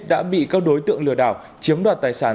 đã bị các đối tượng lừa đảo chiếm đoạt tài sản